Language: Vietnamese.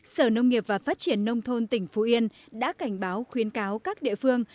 sở nông nghiệp và phát triển nông thôn tỉnh phú yên đã cảnh báo khuyến cáo các địa phương